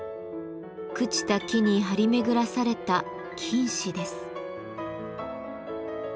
朽ちた木に張り巡らされた菌糸です。